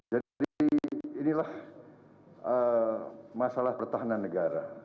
jadi inilah masalah pertahanan negara